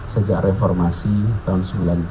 sejak reformasi tahun sembilan puluh delapan